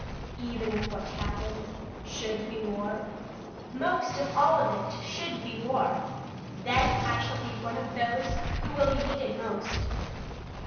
"Even if what happens should be war?" "Most of all if it should be war. Then I shall be one of those who will be needed most."